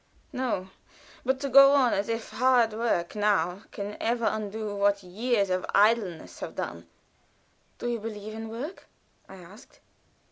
"No; but to go on as if hard work now can ever undo what years of idleness have done." "Do you believe in work?" I asked.